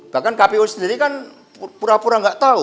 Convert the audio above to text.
bahkan kpu sendiri kan pura pura nggak tahu